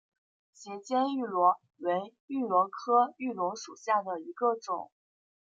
斜肩芋螺为芋螺科芋螺属下的一个种。